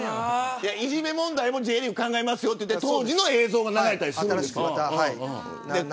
いじめ問題もＪリーグ考えますよと当時の映像が流れたりするんです。